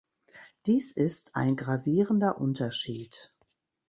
Dies ist ein gravierender Unterschied.